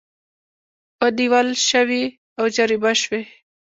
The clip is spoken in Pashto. ونیول شوې او جریمه شوې